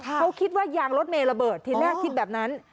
เขาคิดว่ายางรถเมย์ระเบิดทีแรกคิดแบบนั้น